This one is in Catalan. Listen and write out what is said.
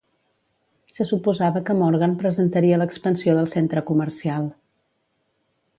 Se suposava que Morgan presentaria l'expansió del centre comercial.